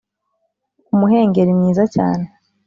umuhengeri mwiza cyane